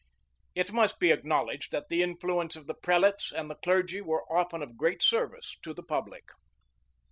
It must be acknowledged that the influence of the prelates and the clergy was often of great service to the public.